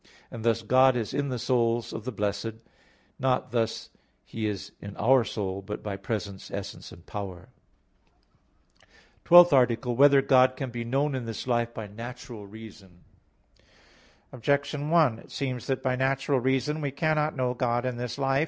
And thus God is in the souls of the blessed; not thus is He in our soul, but by presence, essence and power. _______________________ TWELFTH ARTICLE [I, Q. 12, Art. 12] Whether God Can Be Known in This Life by Natural Reason? Objection 1: It seems that by natural reason we cannot know God in this life.